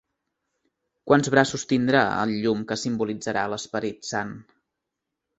Quants braços tindrà el llum que simbolitzarà l'Esperit Sant?